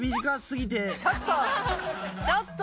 ちょっと！